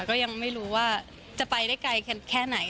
ก็ยังไม่รู้ว่าจะไปได้ไกลแค่ไหน